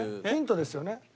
ヒントですよね？